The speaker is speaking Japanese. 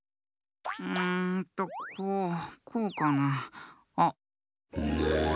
うんとこうこうかな？あっ。